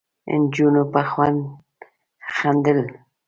نجونو په خوند خندل.